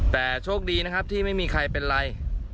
แต่โชคดีที่ไม่มีใครเป็นไร